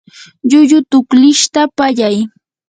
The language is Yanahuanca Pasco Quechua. llullu tuklishta pallay.